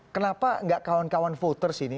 kenapa nggak kawan kawan voters ini